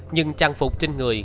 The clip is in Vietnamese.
nhưng trang phục trên người